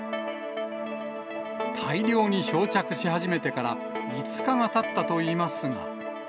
大量に漂着し始めてから５日がたったといいますが。